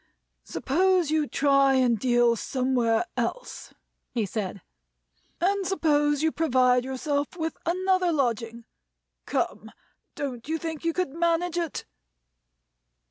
"Suppose you try and deal somewhere else," he said. "And suppose you provide yourself with another lodging. Come! Don't you think you could manage it?"